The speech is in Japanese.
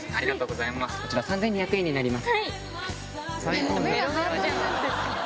３２００円になります。